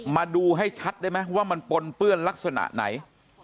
มาดูให้ชัดได้ไหมว่ามันปนเปื้อนลักษณะไหน